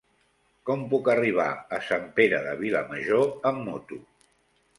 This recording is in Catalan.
Com puc arribar a Sant Pere de Vilamajor amb moto?